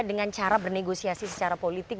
dengan cara bernegosiasi secara politik